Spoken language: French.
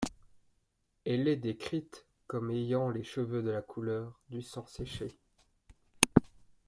Elle est décrite comme ayant les cheveux de la couleur du sang séché.